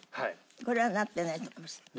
これはなってないのかもしれない。